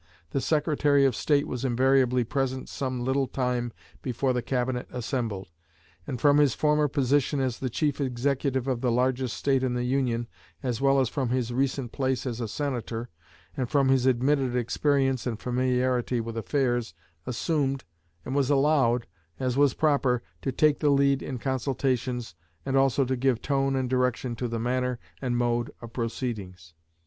The Secretary of State was invariably present some little time before the Cabinet assembled, and from his former position as the chief executive of the largest State in the Union as well as from his recent place as a Senator, and from his admitted experience and familiarity with affairs, assumed, and was allowed, as was proper, to take the lead in consultations and also to give tone and direction to the manner and mode of proceedings.